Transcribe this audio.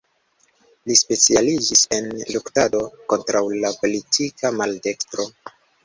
Li specialiĝis en luktado kontraŭ la politika maldekstro.